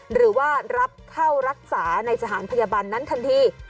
หรือว่ารับเข้ารักษาในสถานพยาบาลนั้นทันที